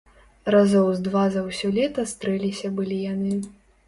Разоў з два за ўсё лета стрэліся былі яны.